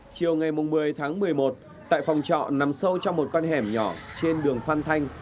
chiều ngày một mươi tháng một mươi một tại phòng trọ nằm sâu trong một con hẻm nhỏ trên đường phan thanh